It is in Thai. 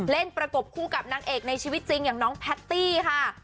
ประกบคู่กับนางเอกในชีวิตจริงอย่างน้องแพตตี้ค่ะ